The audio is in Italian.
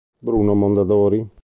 Bruno Mondadori.